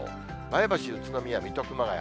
前橋、宇都宮、水戸、熊谷。